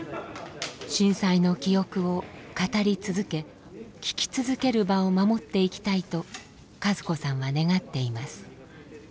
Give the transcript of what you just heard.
震災の記憶を語り続けきき続ける場を守っていきたいと和子さんは願っています。